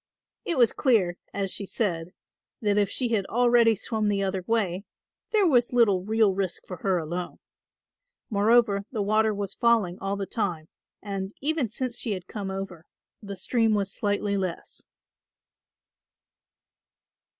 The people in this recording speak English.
It was clear, as she said, that if she had already swum the other way, there was little real risk for her alone. Moreover the water was falling all the time and, even since she had come over, the stream was slightly less.